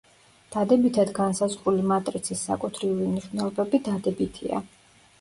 დადებითად განსაზღვრული მატრიცის საკუთრივი მნიშვნელობები დადებითია.